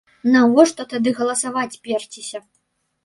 Навошта тады галасаваць перціся?